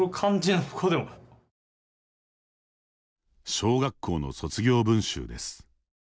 小学校の卒業文集です。